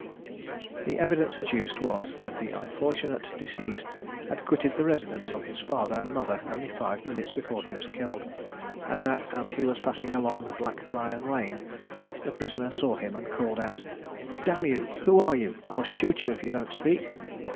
The evidence adduced was, that the unfortunate deceased had quitted the residence of his father and mother only five minutes before he was killed; and that, as he was passing along Black Lion lane, the prisoner saw him and called out, "Damn you, who are you? I'll shoot you, if you don't speak."